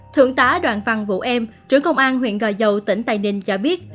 thượng tá đoàn văn vũ em trưởng công an huyện gò dầu tỉnh tây ninh cho biết